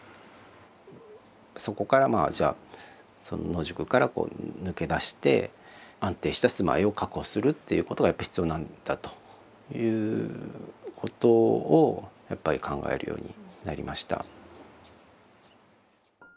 そこからまあじゃあ野宿から抜け出して安定した住まいを確保するっていうことがやっぱり必要なんだということをやっぱり考えるようになりました。